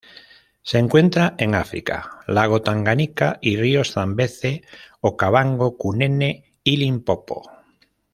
Se encuentran en África: lago Tanganika y ríos Zambeze, Okavango, Cunene y Limpopo.